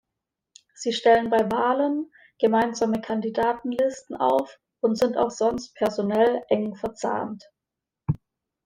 Sie stellen bei Wahlen gemeinsame Kandidatenlisten auf und sind auch sonst personell eng verzahnt.